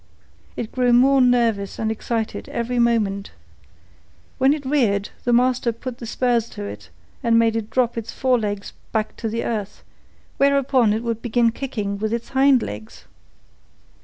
It grew more nervous and excited every moment. When it reared, the master put the spurs to it and made it drop its fore legs back to earth, whereupon it would begin kicking with its hind legs.